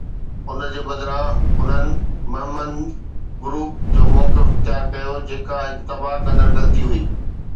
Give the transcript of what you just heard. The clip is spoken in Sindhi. ان جي بدران، انهن مهمند گروپ جو موقف اختيار ڪيو، جيڪا هڪ تباهه ڪندڙ غلطي هئي.